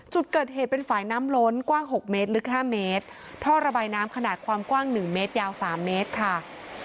จุดเกิดเหตุเป็นฝ่ายน้ำล้นกว้าง๖เมตรลึกห้าเมตรท่อระบายน้ำขนาดความกว้างหนึ่งเมตรยาวสามเมตรค่ะ